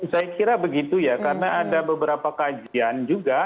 saya kira begitu ya karena ada beberapa kajian juga